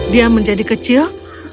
dia menjadi kecil